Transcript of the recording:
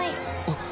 あっ。